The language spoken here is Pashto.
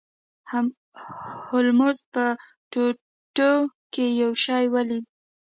هولمز په ټوټو کې یو شی ولید.